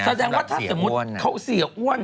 แสดงว่าถ้าสมมุติเขาเสียอ้วน